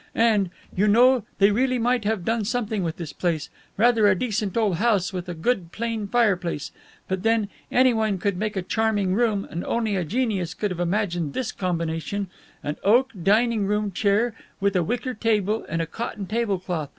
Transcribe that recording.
And, you know, they really might have done something with this place rather a decent old house, with a good plain fireplace. But then, any one could make a charming room, and only a genius could have imagined this combination an oak dining room chair with a wicker table and a cotton table cloth.